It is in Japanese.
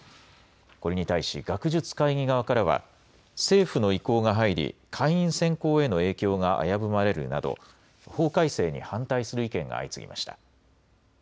これに対し、学術会議側からは、政府の意向が入り、会員選考への影響が危ぶまれるなど、法改正に反対する意見が相次ぎました。